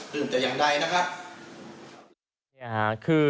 ตื่นจะอย่างไร